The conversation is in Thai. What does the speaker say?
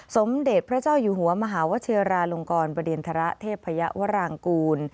สมเด็จพระเจ้าอยู่หัวมหาวเชียราหลงกรบรรเดียนธระเทพพระยะวรางกูล